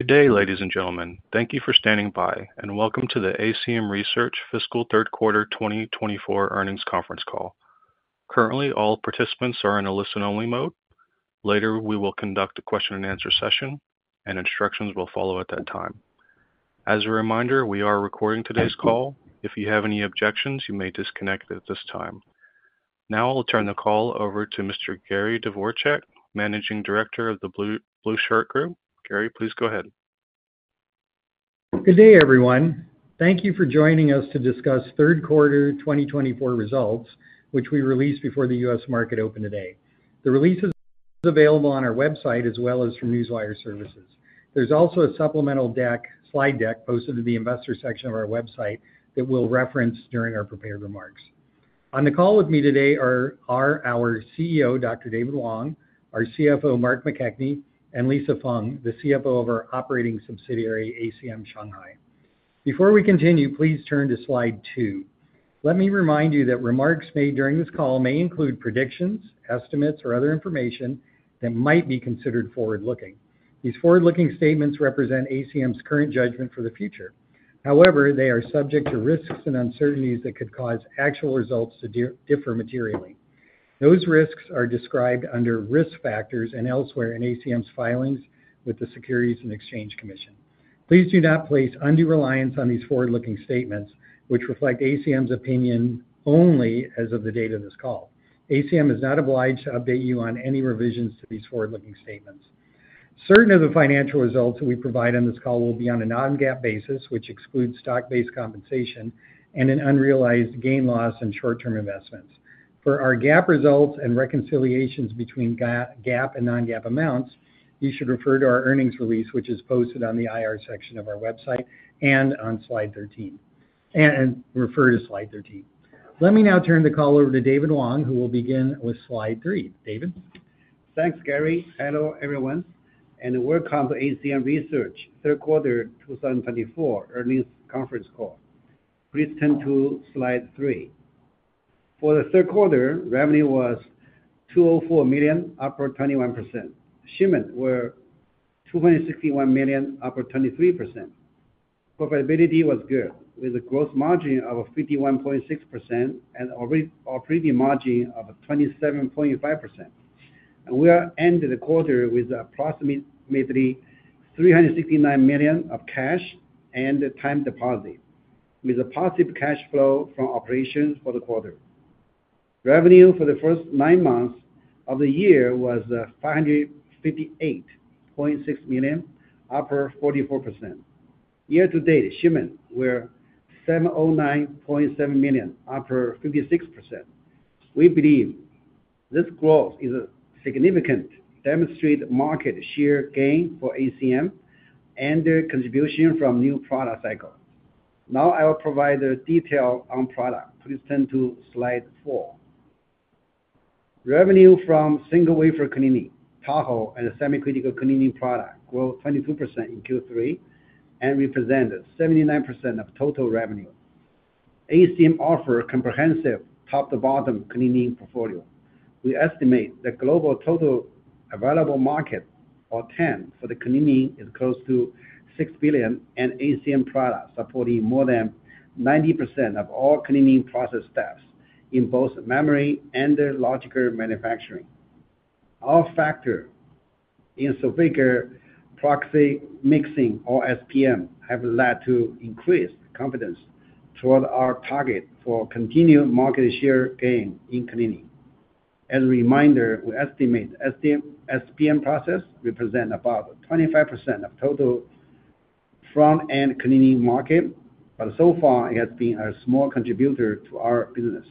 Good day, ladies and gentlemen. Thank you for standing by, and welcome to the ACM Research Fiscal Third Quarter 2024 Earnings Conference Call. Currently, all participants are in a listen-only mode. Later, we will conduct a question-and-answer session, and instructions will follow at that time. As a reminder, we are recording today's call. If you have any objections, you may disconnect at this time. Now, I'll turn the call over to Mr. Gary Dvorchak, Managing Director of the Blueshirt Group. Gary, please go ahead. Good day, everyone. Thank you for joining us to discuss Third Quarter 2024 results, which we released before the U.S. market opened today. The release is available on our website as well as from Newswire Services. There's also a supplemental slide deck posted in the investor section of our website that we'll reference during our prepared remarks. On the call with me today are our CEO, Dr. David Wang, our CFO, Mark McKechnie, and Lisa Fang, the CFO of our operating subsidiary, ACM Shanghai. Before we continue, please turn to slide two. Let me remind you that remarks made during this call may include predictions, estimates, or other information that might be considered forward-looking. These forward-looking statements represent ACM's current judgment for the future. However, they are subject to risks and uncertainties that could cause actual results to differ materially. Those risks are described under risk factors and elsewhere in ACM's filings with the Securities and Exchange Commission. Please do not place undue reliance on these forward-looking statements, which reflect ACM's opinion only as of the date of this call. ACM is not obliged to update you on any revisions to these forward-looking statements. Certain of the financial results that we provide on this call will be on a non-GAAP basis, which excludes stock-based compensation and an unrealized gain/loss in short-term investments. For our GAAP results and reconciliations between GAAP and non-GAAP amounts, you should refer to our earnings release, which is posted on the IR section of our website and on slide 13, and refer to slide 13. Let me now turn the call over to David Wang, who will begin with slide three. David. Thanks, Gary. Hello, everyone, and welcome to ACM Research Third Quarter 2024 earnings conference call. Please turn to slide three. For the third quarter, revenue was $204 million, up 21%. Shipments were $261 million, up 23%. Profitability was good, with a gross margin of 51.6% and an operating margin of 27.5%. We ended the quarter with approximately $369 million of cash and time deposit, with a positive cash flow from operations for the quarter. Revenue for the first nine months of the year was $558.6 million, up 44%. Year-to-date shipments were $709.7 million, up 56%. We believe this growth is significant, demonstrates market share gain for ACM and contribution from new product cycles. Now, I will provide details on product. Please turn to slide four. Revenue from single-wafer cleaning, Tahoe, and semi-critical cleaning product grew 22% in Q3 and represented 79% of total revenue. ACM offers a comprehensive top-to-bottom cleaning portfolio. We estimate the global total available market, or TAM, for the cleaning is close to $6 billion, and ACM products support more than 90% of all cleaning process steps in both memory and logic manufacturing. Our focus in Sulfuric Peroxide Mix, or SPM, has led to increased confidence toward our target for continued market share gain in cleaning. As a reminder, we estimate SPM processes represent about 25% of total front-end cleaning market, but so far it has been a small contributor to our business.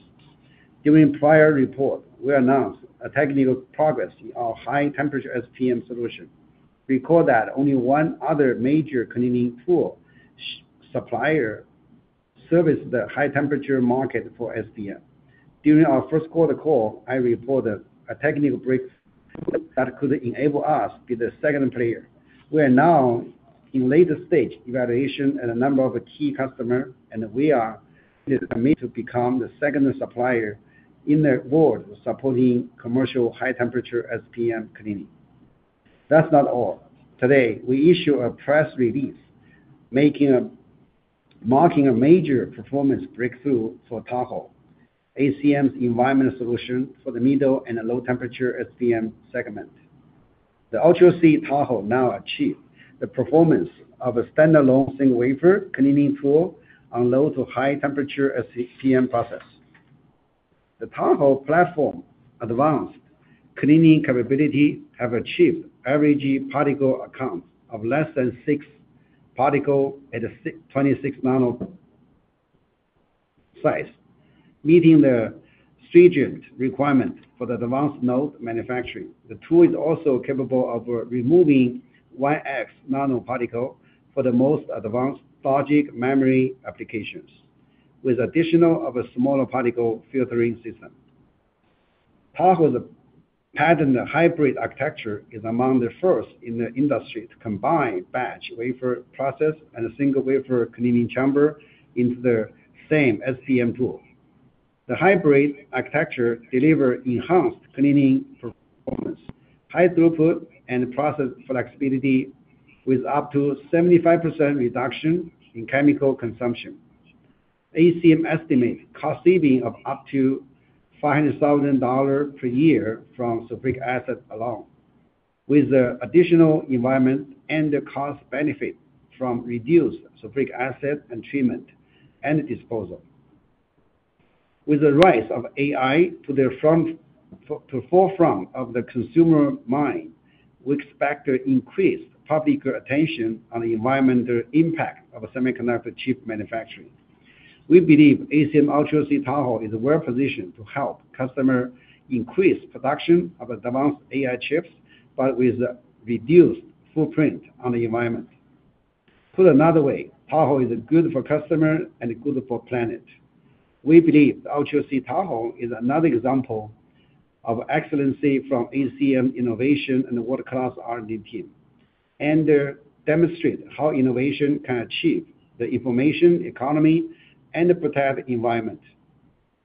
During prior reports, we announced technical progress in our high-temperature SPM solution. Recall that only one other major cleaning tool supplier services the high-temperature market for SPM. During our first quarter call, I reported a technical breakthrough that could enable us to be the second player. We are now in the latest stage of evaluation with a number of key customers, and we are committed to becoming the second supplier in the world supporting commercial high-temperature SPM cleaning. That's not all. Today, we issued a press release marking a major performance breakthrough for Tahoe, ACM's environmental solution for the middle and low-temperature SPM segment. The Ultra C Tahoe now achieves the performance of a standalone single-wafer cleaning tool on low to high-temperature SPM processes. The Tahoe platform's advanced cleaning capabilities have achieved average particle counts of less than six particles at a 26-nanometer size, meeting the stringent requirements for the advanced node manufacturing. The tool is also capable of removing 1x nanoparticles for the most advanced logic memory applications, with the addition of a smaller particle filtering system. Tahoe's patented hybrid architecture is among the first in the industry to combine batch wafer process and a single-wafer cleaning chamber into the same SPM tool. The hybrid architecture delivers enhanced cleaning performance, high throughput, and process flexibility with up to 75% reduction in chemical consumption. ACM estimates cost savings of up to $500,000 per year from sulfuric acid alone, with the additional environment and cost benefits from reduced sulfuric acid and treatment and disposal. With the rise of AI to the forefront of the consumer mind, we expect an increased public attention on the environmental impact of semiconductor chip manufacturing. We believe ACM Ultra C Tahoe is well-positioned to help customers increase production of advanced AI chips, but with a reduced footprint on the environment. Put another way, Tahoe is good for customers and good for the planet. We believe Ultra C Tahoe is another example of excellence from ACM's innovation and world-class R&D team, and demonstrates how innovation can achieve the information economy and protect the environment.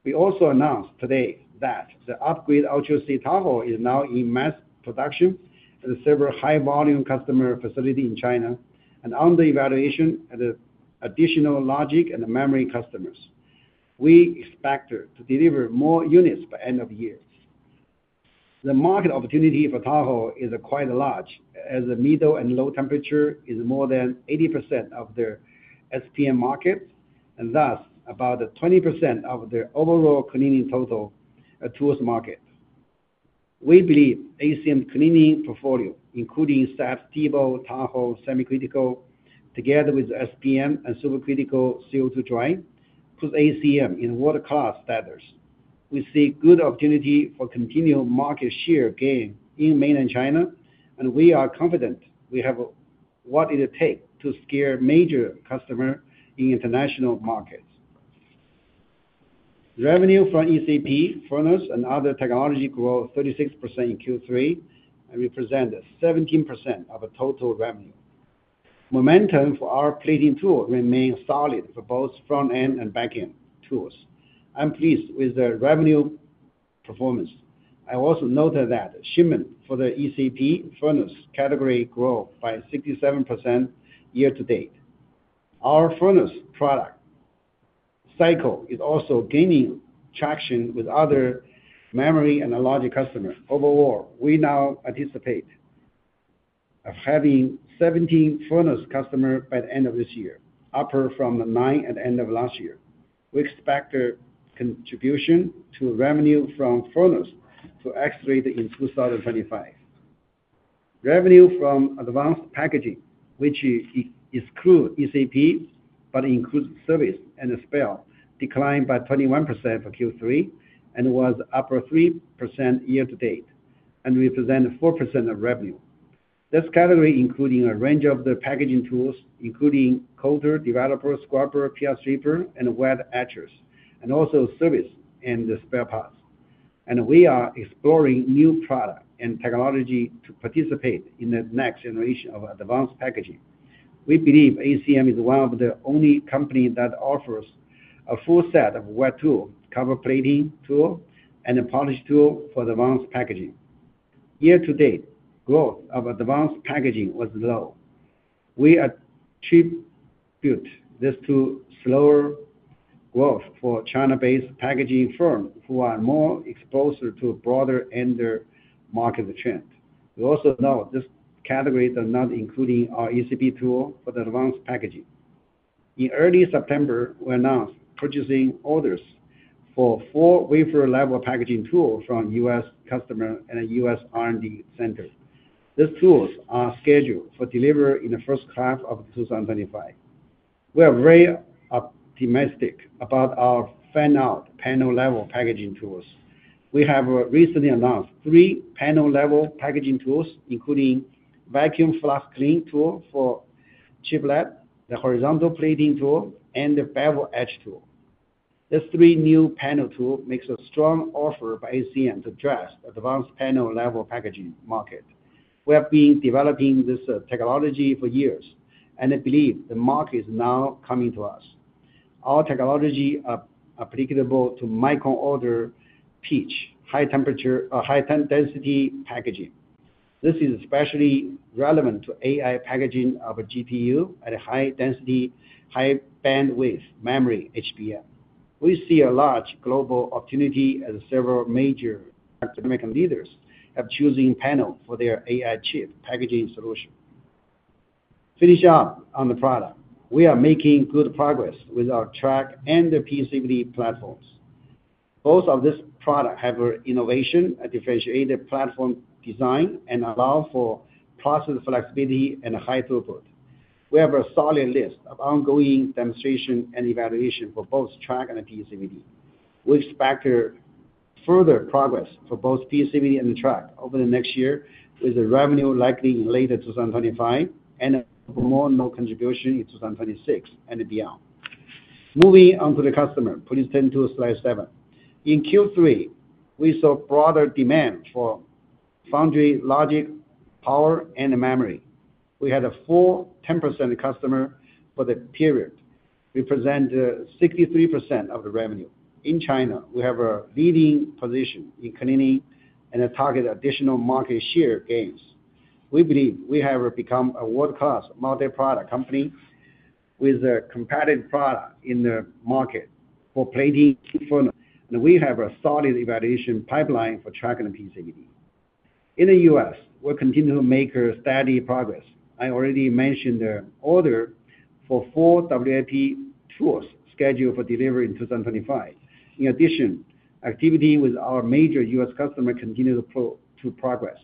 We also announced today that the upgraded Ultra C Tahoe is now in mass production at several high-volume customer facilities in China and under evaluation at additional logic and memory customers. We expect to deliver more units by the end of the year. The market opportunity for Tahoe is quite large, as middle and low temperature is more than 80% of the SPM market and thus about 20% of the overall cleaning total tools market. We believe ACM's cleaning portfolio, including SAPS, TEBO, Tahoe, semi-critical, together with SPM and supercritical CO2 drying, puts ACM in world-class status. We see good opportunity for continued market share gain in mainland China, and we are confident we have what it takes to secure major customers in international markets. Revenue from ECP, furnace, and other technology grew 36% in Q3 and represented 17% of total revenue. Momentum for our plating tool remains solid for both front-end and back-end tools. I'm pleased with the revenue performance. I also noted that shipments for the ECP furnace category grew by 67% year-to-date. Our furnace product cycle is also gaining traction with other memory and logic customers. Overall, we now anticipate having 17 furnace customers by the end of this year, up from nine at the end of last year. We expect contribution to revenue from furnace to accelerate in 2025. Revenue from advanced packaging, which excludes ECP but includes service and spares, declined by 21% for Q3 and was up 3% year-to-date and represented 4% of revenue. This category includes a range of packaging tools, including coater, developer, scrubber, PR stripper, and wet etchers, and also service and spare parts, and we are exploring new products and technology to participate in the next generation of advanced packaging. We believe ACM is one of the only companies that offers a full set of wet tools, copper plating tools, and polish tools for advanced packaging. Year-to-date, growth of advanced packaging was low. We attribute this to slower growth for China-based packaging firms who are more exposed to broader end-market trends. We also know this category does not include our ECP tools for the advanced packaging. In early September, we announced purchase orders for four wafer-level packaging tools from U.S. customers and U.S. R&D centers. These tools are scheduled for delivery in the first half of 2025. We are very optimistic about our fan-out panel-level packaging tools. We have recently announced three panel-level packaging tools, including vacuum cleaning tools for chiplets, the horizontal plating tool, and the bevel etch tool. These three new panel tools make a strong offer for ACM to address the advanced panel-level packaging market. We have been developing this technology for years, and I believe the market is now coming to us. Our technology is applicable to micron-order pitch, high-temperature or high-density packaging. This is especially relevant to AI packaging of GPU at high-density, high-bandwidth memory, HBM. We see a large global opportunity as several major American leaders are choosing panels for their AI chip packaging solutions. Finishing up on the product, we are making good progress with our track and the PECVD platforms. Both of these products have innovation and differentiated platform design and allow for process flexibility and high throughput. We have a solid list of ongoing demonstrations and evaluations for both track and PECVD. We expect further progress for both PECVD and track over the next year, with revenue likely in late 2025 and a modest contribution in 2026 and beyond. Moving on to the customer, please turn to slide seven. In Q3, we saw broader demand for foundry logic power and memory. We had 10 customers for the period, representing 63% of the revenue. In China, we have a leading position in cleaning and target additional market share gains. We believe we have become a world-class multi-product company with a competitive product in the market for plating furnace, and we have a solid evaluation pipeline for track and PECVD. In the U.S., we continue to make steady progress. I already mentioned the order for four WLP tools scheduled for delivery in 2025. In addition, activity with our major U.S. customers continues to progress.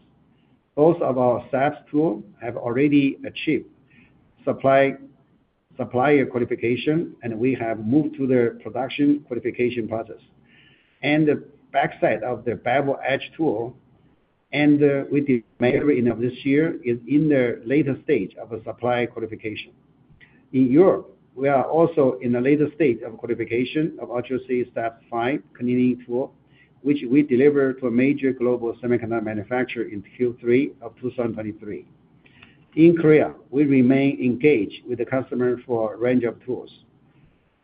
Both of our SAPS tools have already achieved supplier qualification, and we have moved to the production qualification process, and the backside of the bevel etch tool and with the memory end of this year is in the latest stage of supplier qualification. In Europe, we are also in the latest stage of qualification of Ultra C SAPS V cleaning tool, which we delivered to a major global semiconductor manufacturer in Q3 of 2023. In Korea, we remain engaged with the customer for a range of tools.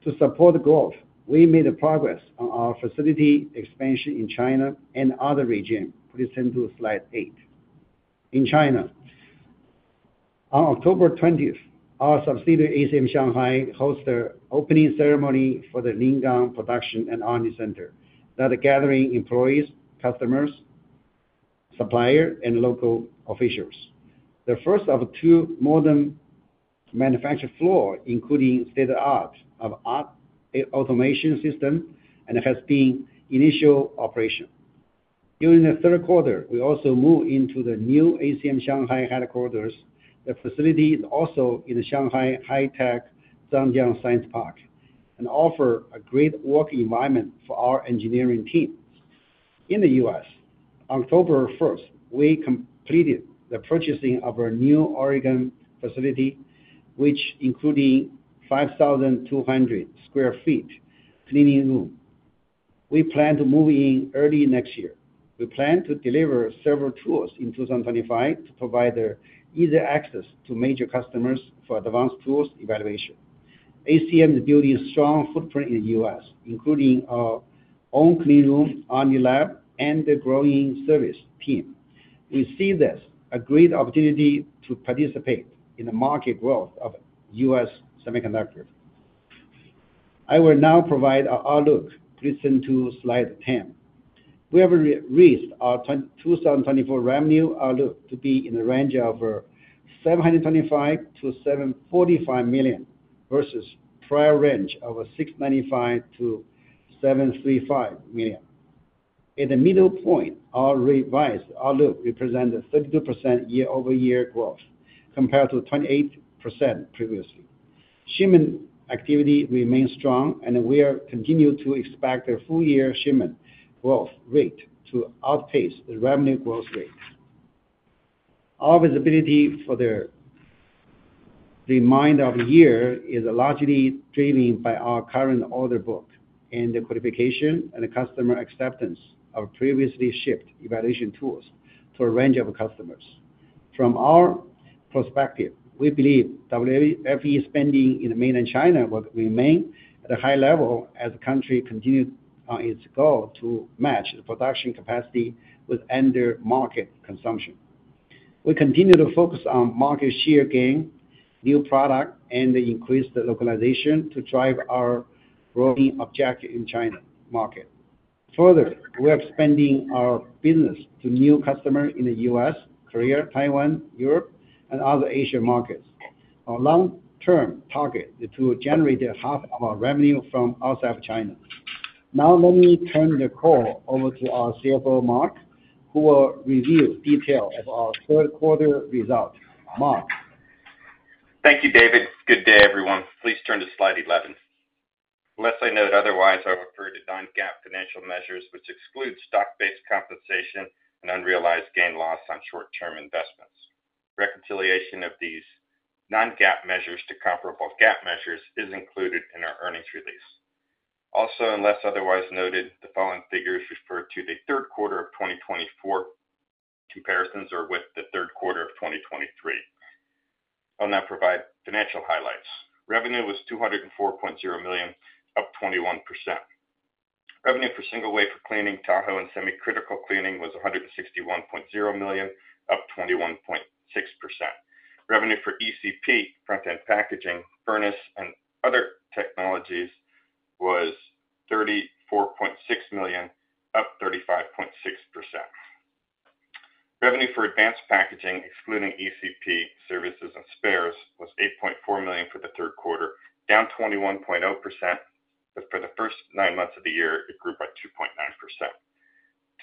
To support growth, we made progress on our facility expansion in China and other regions. Please turn to slide eight. In China, on October 20th, our subsidiary ACM Shanghai hosted an opening ceremony for the Lingang Production and R&D Center that gathered employees, customers, suppliers, and local officials. The first of two modern manufacturing floors, including state-of-the-art automation systems, has been in initial operation. During the third quarter, we also moved into the new ACM Shanghai headquarters. The facility is also in the Zhangjiang High-Tech Park and offers a great work environment for our engineering team. In the U.S., on October 1st, we completed the purchasing of our new Oregon facility, which includes 5,200 sq ft cleanroom. We plan to move in early next year. We plan to deliver several tools in 2025 to provide easy access to major customers for advanced tools evaluation. ACM is building a strong footprint in the U.S., including our own cleanroom, R&D lab, and the growing service team. We see this as a great opportunity to participate in the market growth of U.S. semiconductors. I will now provide our outlook. Please turn to slide 10. We have raised our 2024 revenue outlook to be in the range of $725-$745 million versus the prior range of $695-$735 million. At the middle point, our revised outlook represents a 32% year-over-year growth compared to 28% previously. Shipment activity remains strong, and we continue to expect a full-year shipment growth rate to outpace the revenue growth rate. Our visibility for the remainder of the year is largely driven by our current order book and the qualification and customer acceptance of previously shipped evaluation tools to a range of customers. From our perspective, we believe WFE spending in mainland China will remain at a high level as the country continues on its goal to match the production capacity with end-market consumption. We continue to focus on market share gain, new product, and increased localization to drive our growing objective in China market. Further, we are expanding our business to new customers in the U.S., Korea, Taiwan, Europe, and other Asian markets. Our long-term target is to generate half of our revenue from outside of China. Now, let me turn the call over to our CFO, Mark, who will reveal details of our third-quarter results. Mark. Thank you, David. Good day, everyone. Please turn to slide 11. Unless I note otherwise, I refer to non-GAAP financial measures, which exclude stock-based compensation and unrealized gain/loss on short-term investments. Reconciliation of these non-GAAP measures to comparable GAAP measures is included in our earnings release. Also, unless otherwise noted, the following figures refer to the third quarter of 2024. Comparisons are with the third quarter of 2023. I'll now provide financial highlights. Revenue was $204.0 million, up 21%. Revenue for single wafer cleaning, Tahoe, and semi-critical cleaning was $161.0 million, up 21.6%. Revenue for ECP, front-end packaging, furnace, and other technologies was $34.6 million, up 35.6%. Revenue for advanced packaging, excluding ECP, services, and spares, was $8.4 million for the third quarter, down 21.0%. But for the first nine months of the year, it grew by 2.9%.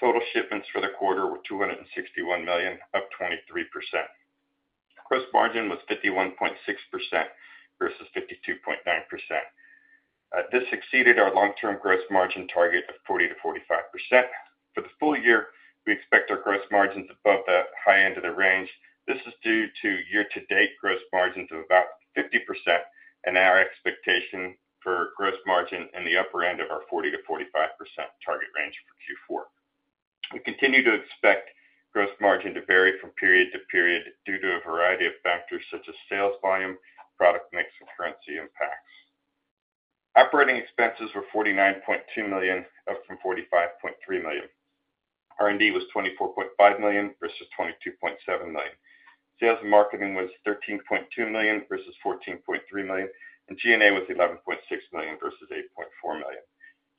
Total shipments for the quarter were $261 million, up 23%. Gross margin was 51.6% vs 52.9%. This exceeded our long-term gross margin target of 40%-45%. For the full year, we expect our gross margins above the high end of the range. This is due to year-to-date gross margins of about 50% and our expectation for gross margin in the upper end of our 40%-45% target range for Q4. We continue to expect gross margin to vary from period to period due to a variety of factors such as sales volume, product mix, and currency impacts. Operating expenses were $49.2 million, up from $45.3 million. R&D was $24.5 million vs $22.7 million. Sales and marketing was $13.2 million vs $14.3 million, and G&A was $11.6 million vs $8.4 million.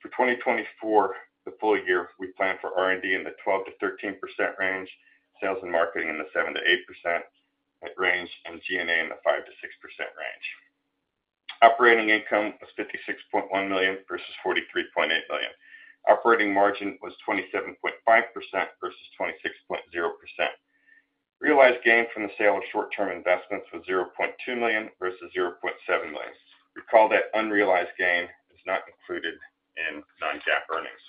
For 2024, the full year, we plan for R&D in the 12%-13% range, sales and marketing in the 7%-8% range, and G&A in the 5%-6% range. Operating income was $56.1 million vs $43.8 million. Operating margin was 27.5% vs 26.0%. Realized gain from the sale of short-term investments was $0.2 million vs $0.7 million. Recall that unrealized gain is not included in non-GAAP earnings.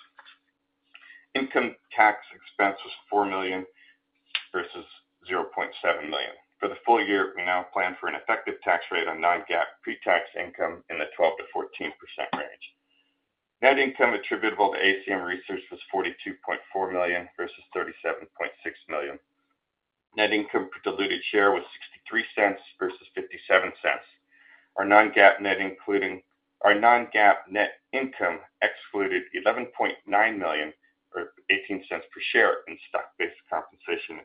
Income tax expense was $4 million vs $0.7 million. For the full year, we now plan for an effective tax rate on non-GAAP pre-tax income in the 12%-14% range. Net income attributable to ACM Research was $42.4 million vs $37.6 million. Net income per diluted share was $0.63 vs $0.57. Our non-GAAP net income excluded $11.9 million or $0.18 per share in stock-based compensation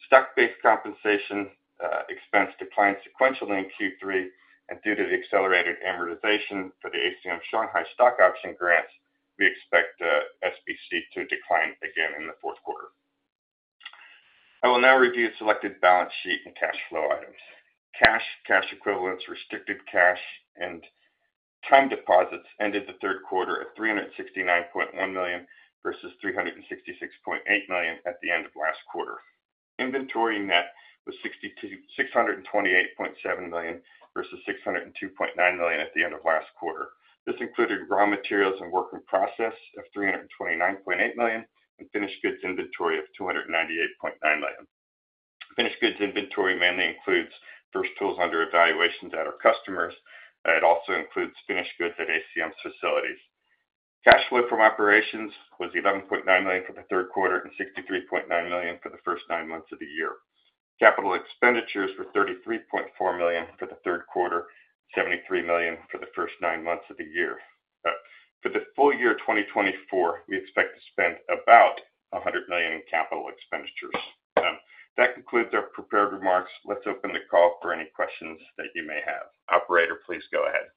expense. Stock-based compensation expense declined sequentially in Q3, and due to the accelerated amortization for the ACM Shanghai Stock Option Grants, we expect SBC to decline again in the fourth quarter. I will now review the selected balance sheet and cash flow items. Cash, cash equivalents, restricted cash, and time deposits ended the third quarter at $369.1 million vs $366.8 million at the end of last quarter. Inventory net was $628.7 million vs $602.9 million at the end of last quarter. This included raw materials and work in process of $329.8 million and finished goods inventory of $298.9 million. Finished goods inventory mainly includes first tools under evaluation that are customers. It also includes finished goods at ACM's facilities. Cash flow from operations was $11.9 million for the third quarter and $63.9 million for the first nine months of the year. Capital expenditures were $33.4 million for the third quarter, $73 million for the first nine months of the year. For the full year 2024, we expect to spend about $100 million in capital expenditures. That concludes our prepared remarks. Let's open the call for any questions that you may have. Operator, please go ahead.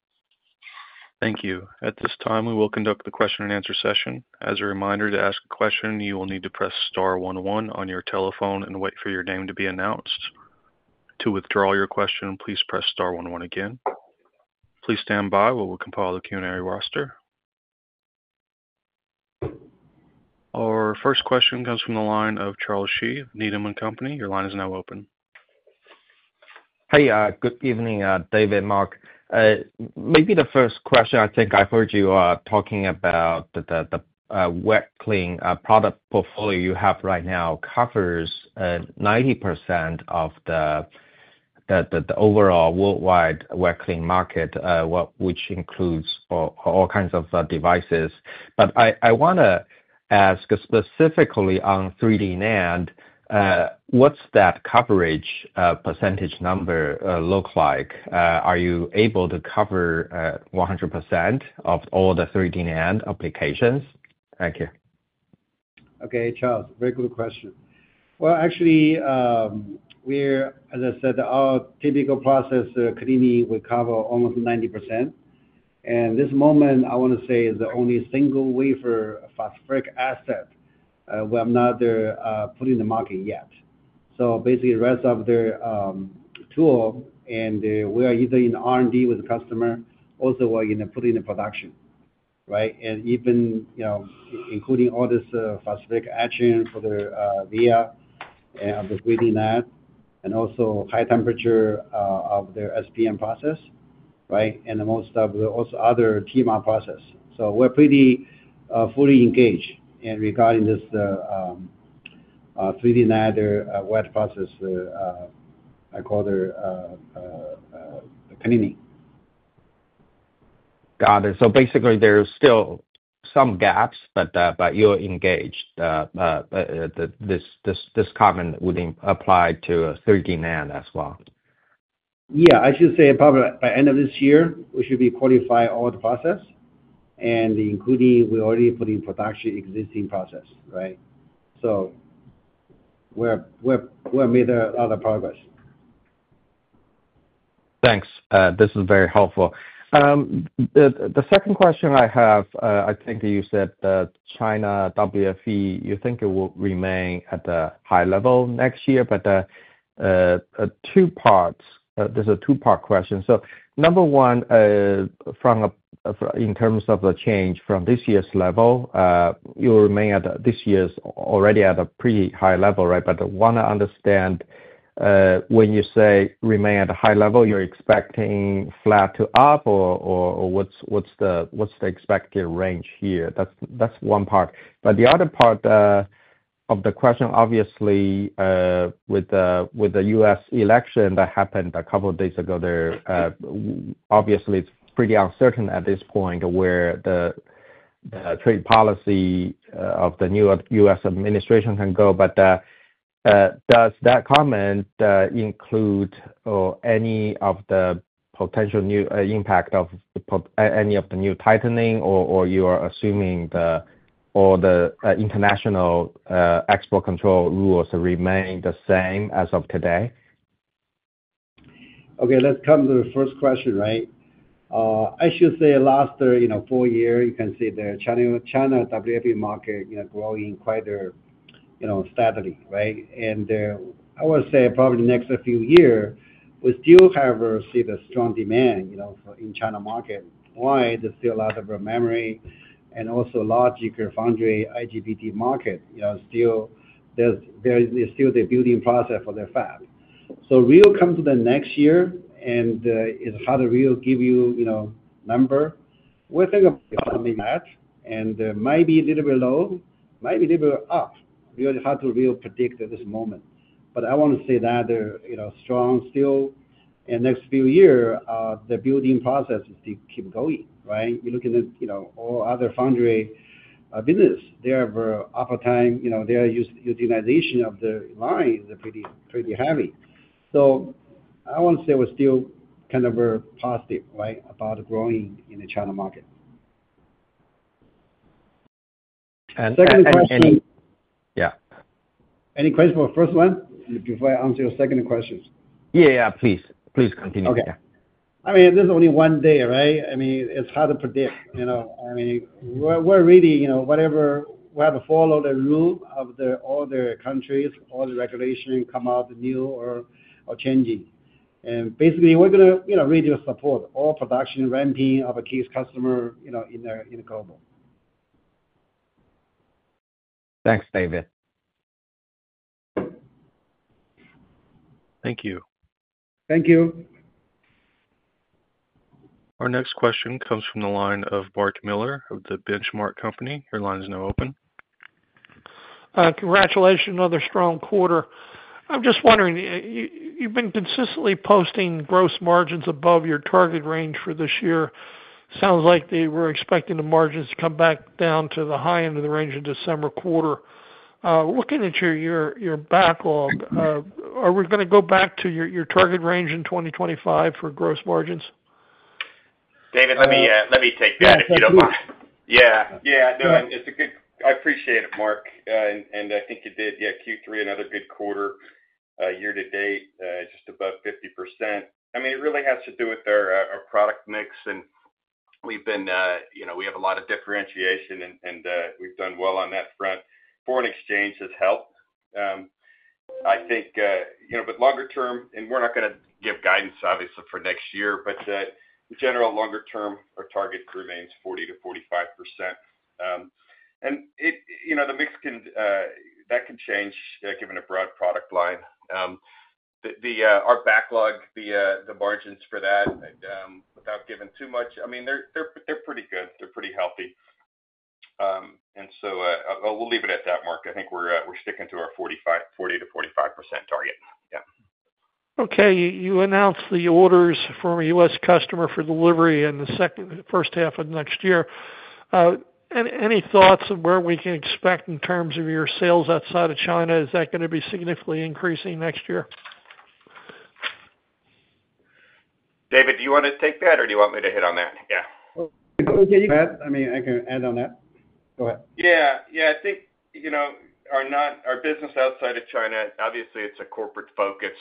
Thank you. At this time, we will conduct the question-and-answer session. As a reminder, to ask a question, you will need to press star one one on your telephone and wait for your name to be announced. To withdraw your question, please press star one one again. Please stand by while we compile the Q&A roster. Our first question comes from the line of Charles Shi, Needham & Company. Your line is now open. Hi, good evening, David, Mark. Maybe the first question, I think I heard you talking about the wet clean product portfolio you have right now covers 90% of the overall worldwide wet clean market, which includes all kinds of devices. But I want to ask specifically on 3D NAND, what's that coverage percentage number look like? Are you able to cover 100% of all the 3D NAND applications? Thank you. Okay, Charles, very good question. Well, actually, as I said, our typical process cleaning would cover almost 90%. At this moment, I want to say, is the only single wafer phosphoric acid we have not put in the market yet. So basically, the rest of the tool, and we are either in R&D with the customer, or we're putting in production, right? Even including all this phosphoric acid for the via of the 3D NAND, and also high temperature of their SPM process, right? Most of the other TiN process. We're pretty fully engaged regarding this 3D NAND wet process, I call it the cleaning. Got it. Basically, there's still some gaps, but you're engaged. This comment would apply to 3D NAND as well. Yeah, I should say probably by end of this year, we should be qualified all the process. Including we already put in production existing process, right? We have made a lot of progress. Thanks. This is very helpful. The second question I have, I think you said China WFE, you think it will remain at the high level next year, but there's a two-part question. So number one, in terms of the change from this year's level, you'll remain at this year's already at a pretty high level, right? But I want to understand when you say remain at a high level, you're expecting flat to up, or what's the expected range here? That's one part. But the other part of the question, obviously, with the U.S. election that happened a couple of days ago there, obviously, it's pretty uncertain at this point where the trade policy of the new U.S. administration can go. But does that comment include any of the potential impact of any of the new tightening, or you are assuming all the international export control rules remain the same as of today? Okay, let's come to the first question, right? I should say last full year, you can see the China WFE market growing quite steadily, right? And I would say probably the next few years, we still have seen a strong demand in China market. Why? There's still a lot of memory and also logic or foundry IGBT market. Still, there's still the building process for the fab. So really come to the next year, and it's hard to really give you a number. We're thinking about that, and it might be a little bit low, might be a little bit up. Really hard to really predict at this moment. But I want to say that they're strong still. Next few years, the building process will keep going, right? You're looking at all other foundry business. They have an upturn. Their utilization of the line is pretty heavy. So I want to say we're still kind of positive, right, about growing in the China market. Second question. Yeah. Any question for the first one before I answer your second question? Yeah, yeah, please. Please continue. Okay. I mean, there's only one day, right? I mean, it's hard to predict. I mean, we're really whatever we have to follow the rule of all the countries, all the regulations come out new or changing. And basically, we're going to really support all production ramping of a case customer in the global. Thanks, David. Thank you. Thank you. Our next question comes from the line of Mark Miller of The Benchmark Company. Your line is now open. Congratulations on the strong quarter. I'm just wondering, you've been consistently posting gross margins above your target range for this year. Sounds like they were expecting the margins to come back down to the high end of the range in December quarter. Looking at your backlog, are we going to go back to your target range in 2025 for gross margins? David, let me take that if you don't mind. Yeah. Yeah, no, it's a good. I appreciate it, Mark. And I think it did, yeah. Q3, another good quarter year to date, just above 50%. I mean, it really has to do with our product mix. And we have a lot of differentiation, and we've done well on that front. Foreign exchange has helped, I think. But longer term, and we're not going to give guidance, obviously, for next year, but in general, longer term, our target remains 40%-45%. And the mix can change given a broad product line. Our backlog, the margins for that, without giving too much, I mean, they're pretty good. They're pretty healthy. And so we'll leave it at that, Mark. I think we're sticking to our 40%-45% target. Yeah. Okay. You announced the orders for a U.S. customer for delivery in the first half of next year. Any thoughts on where we can expect in terms of your sales outside of China? Is that going to be significantly increasing next year? David, do you want to take that, or do you want me to hit on that? Yeah. I mean, I can add on that. Go ahead. Yeah. Yeah, I think our business outside of China, obviously, it's a corporate focus.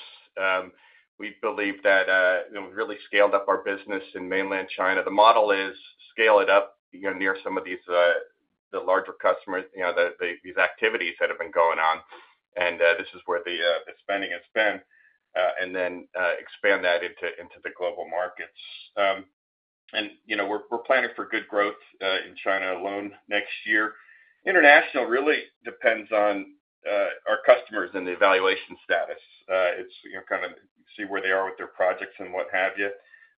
We believe that we've really scaled up our business in Mainland China. The model is scale it up near some of these larger customers, these activities that have been going on. This is where the spending has been, and then expand that into the global markets. We're planning for good growth in China alone next year. International really depends on our customers and the evaluation status. It's kind of see where they are with their projects and what have you.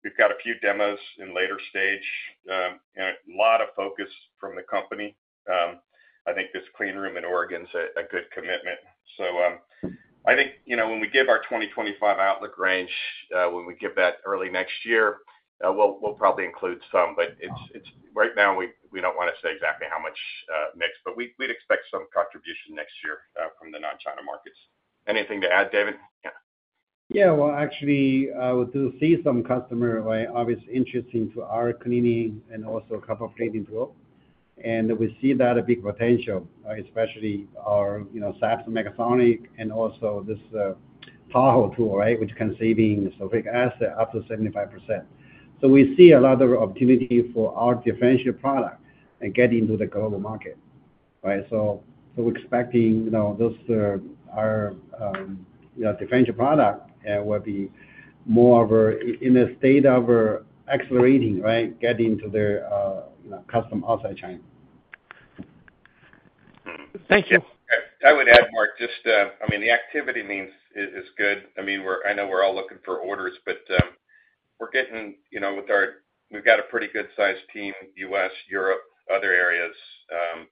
We've got a few demos in later stage. A lot of focus from the company. I think this cleanroom in Oregon is a good commitment. I think when we give our 2025 outlook range, when we get back early next year, we'll probably include some, but right now, we don't want to say exactly how much mix. We'd expect some contribution next year from the non-China markets. Anything to add, David? Yeah. Actually, we do see some customers' obvious interest in our cleaning and also a couple of cleaning tools. And we see that a big potential, especially our SAPS and megasonic, and also this Tahoe tool, right, which can save in cost up to 75%. So we see a lot of opportunity for our differentiated product and getting into the global market, right? So we're expecting those are differentiated product will be more in a state of accelerating, right, getting to their customers outside China. Thank you. I would add, Mark, just I mean, the activity level is good. I mean, I know we're all looking for orders, but we're engaged with our. We've got a pretty good-sized team, U.S., Europe, other areas.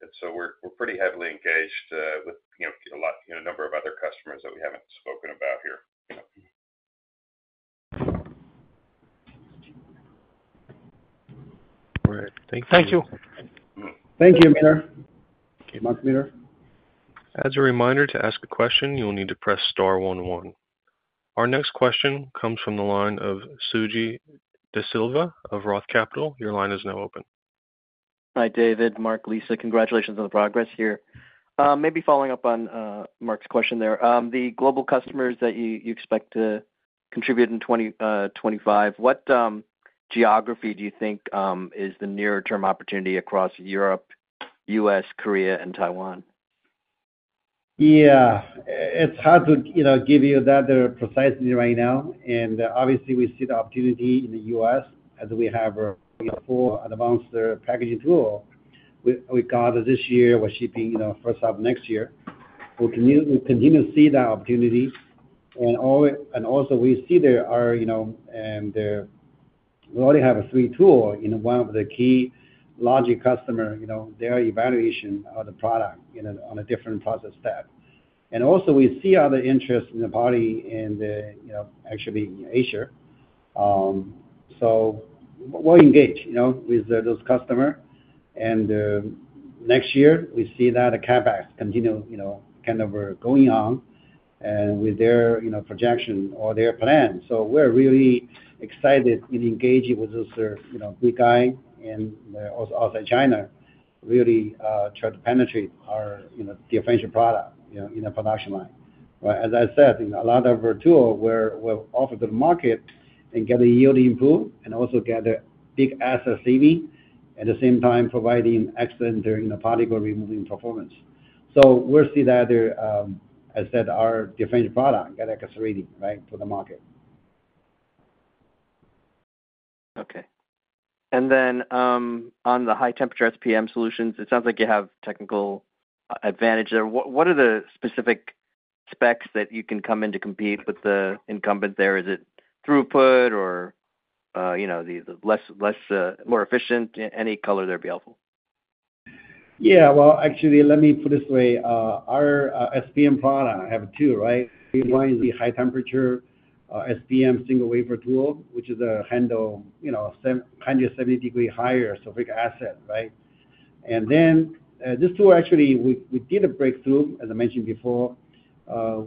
And so we're pretty heavily engaged with a number of other customers that we haven't spoken about here. All right. Thank you. Thank you. Thank you, Miller. Okay, Mark Miller. As a reminder to ask a question, you'll need to press star one one. Our next question comes from the line of Suji Desilva of ROTH Capital Partners. Your line is now open. Hi, David, Mark, Lisa. Congratulations on the progress here. Maybe following up on Mark's question there, the global customers that you expect to contribute in 2025, what geography do you think is the near-term opportunity across Europe, U.S., Korea, and Taiwan? Yeah. It's hard to give you that precise right now. And obviously, we see the opportunity in the U.S. as we have a full advanced packaging tool. We got this year. We're shipping first off next year. We continue to see that opportunity. And also, we see there are and we already have three tools in one of the key logic customer's evaluation of the product on a different process step. We also see other interests in Korea and actually Asia. So we're engaged with those customers. Next year, we see that the CapEx continue kind of going on with their projection or their plan. So we're really excited and engaged with this big guy outside China, really try to penetrate our differentiated product in the production line. As I said, a lot of our tools were offered to the market and get a yield improved and also get a big cost saving at the same time providing excellent particle removing performance. So we'll see that, as I said, our differentiated product get accelerating, right, for the market. Okay. And then on the high-temperature SPM solutions, it sounds like you have technical advantage there. What are the specific specs that you can come in to compete with the incumbent there? Is it throughput or more efficient? Any color there would be helpful. Yeah. Well, actually, let me put it this way. Our SPM product, I have two, right? One is the high temperature SPM single wafer tool, which handles 170 degrees higher sulfuric acid, right? And then this tool, actually, we did a breakthrough, as I mentioned before.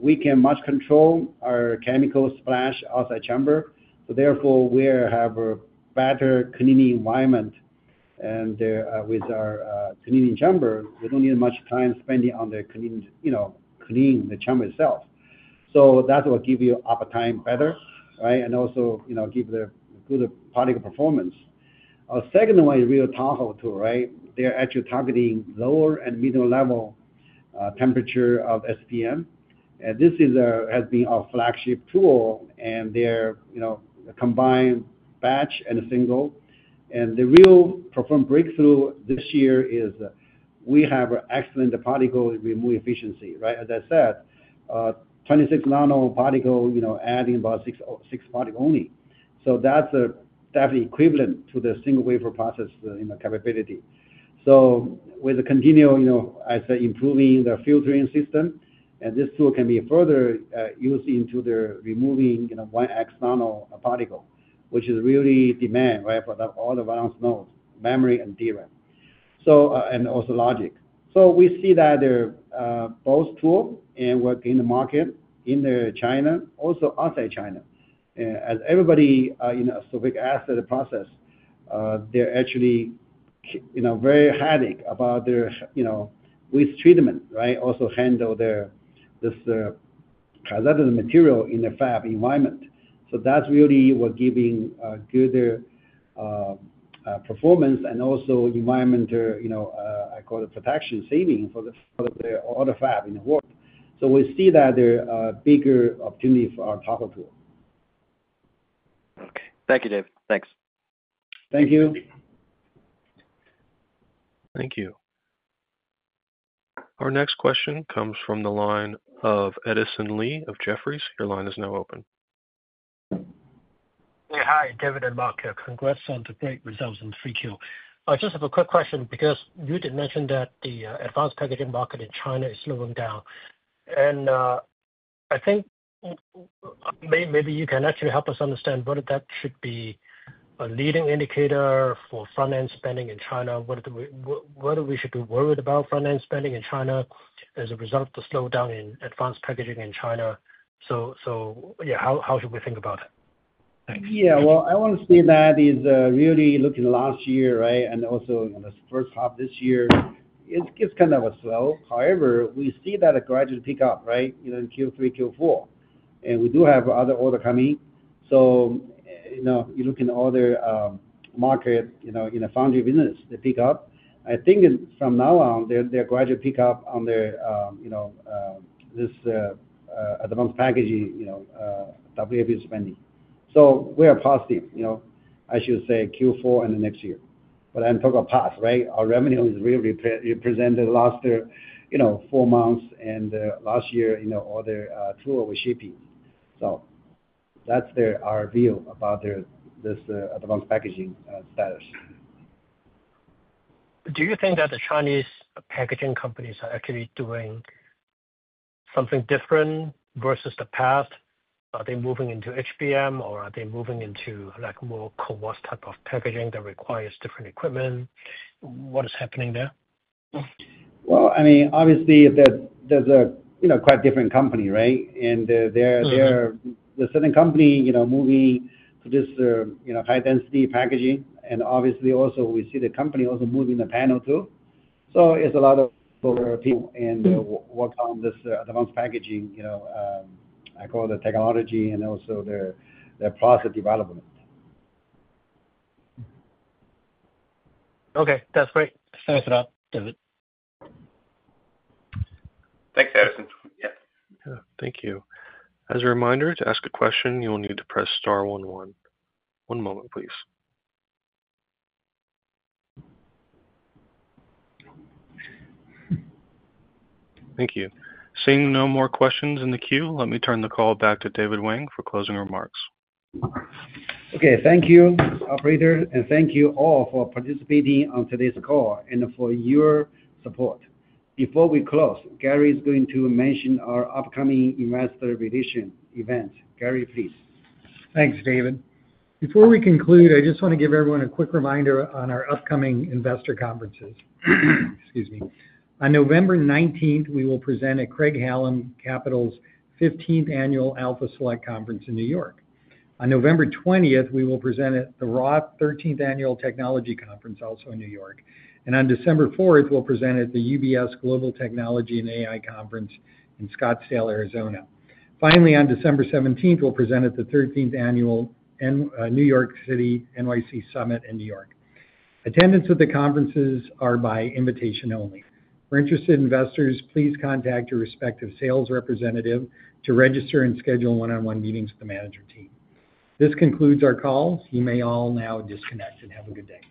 We can much control our chemical splash outside chamber. So therefore, we have a better cleaning environment. And with our cleaning chamber, we don't need much time spending on cleaning the chamber itself. So that will give you uptime better, right? And also give the good particle performance. Our second one is our Tahoe tool, right? They're actually targeting lower and middle level temperature of SPM. And this has been our flagship tool. And they're a combined batch and a single. The real performance breakthrough this year is we have excellent particle removal efficiency, right? As I said, 26 nano particle adding about six particle only. So that's definitely equivalent to the single wafer process capability. So with the continual, I say, improving the filtering system, and this tool can be further used into the removing 1x nanometer particle, which is really demand, right, for all the advanced nodes, memory and DRAM, and also logic. So we see that both tools can work in the market in China, also outside China. As everybody in an SPM process, they're actually very headache about their waste treatment, right? Also handle this hazardous material in the fab environment. So that's really what giving good performance and also environmental, I call it protection saving for all the fab in the world. So we see that there are bigger opportunities for our Tahoe tool. Okay. Thank you, David. Thanks. Thank you. Thank you. Our next question comes from the line of Edison Lee of Jefferies. Your line is now open. Hey, hi, David and Mark. Congrats on the great results in 3Q. I just have a quick question because you did mention that the advanced packaging market in China is slowing down. And I think maybe you can actually help us understand whether that should be a leading indicator for front-end spending in China, whether we should be worried about front-end spending in China as a result of the slowdown in advanced packaging in China. So yeah, how should we think about it? Yeah. Well, I want to say that is really looking last year, right, and also the first half of this year, it's kind of a slow. However, we see that a gradual pickup, right, in Q3, Q4. And we do have other order coming. So you look in other markets in the foundry business, they pick up. I think from now on, there are gradual pickup on this advanced packaging WFE spending. So we are positive, I should say, Q4 and the next year. But I'm talking past, right? Our revenue is really represented last four months and last year or the tool we're shipping. So that's our view about this advanced packaging status. Do you think that the Chinese packaging companies are actually doing something different versus the past? Are they moving into HBM, or are they moving into more coarse type of packaging that requires different equipment? What is happening there? Well, I mean, obviously, there's a quite different company, right? And there's a certain company moving to this high-density packaging. And obviously, also we see the company also moving the panel too. So it's a lot of people working on this advanced packaging, I call it technology, and also their process development. Okay. That's great. Thanks a lot, David. Thanks, Edison. Yeah. Thank you. As a reminder, to ask a question, you'll need to press star one one. One moment, please. Thank you. Seeing no more questions in the queue, let me turn the call back to David Wang for closing remarks. Okay. Thank you, operator. And thank you all for participating on today's call and for your support. Before we close, Gary is going to mention our upcoming investor relation event. Gary, please. Thanks, David. Before we conclude, I just want to give everyone a quick reminder on our upcoming investor conferences. Excuse me. On November 19th, we will present at Craig-Hallum Capital's 15th Annual Alpha Select Conference in New York. On November 20th, we will present at the Roth 13th Annual Technology Conference, also in New York. And on December 4th, we'll present at the UBS Global Technology and AI Conference in Scottsdale, Arizona. Finally, on December 17th, we'll present at the 13th Annual NYC Summit in New York. Attendance at the conferences is by invitation only. For interested investors, please contact your respective sales representative to register and schedule one-on-one meetings with the management team. This concludes our call. You may all now disconnect and have a good day.